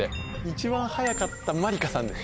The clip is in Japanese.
一番早かったまりかさんで。